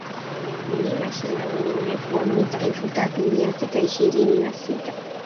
Mlima Shira wenye urefu wa mita elfu tatu mia sita ishirini na sita